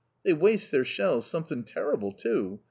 They waste their shells something terrible too.